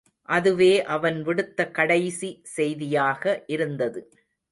அதுவே அவன் விடுத்த கடைசி செய்தியாக இருந்தது.